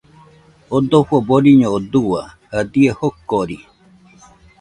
Oo dojo boriño oo dua jadie jokori